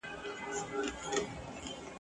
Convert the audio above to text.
د ژوندون سفر لنډی دی مهارت غواړي عمرونه ..